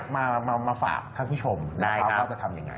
ว่าเราจะเอาพวกเหนือมาฝากท่านผู้ชมว่าจะทำอย่างไร